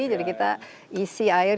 jadi kita isi air